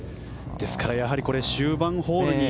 ですから終盤ホールに。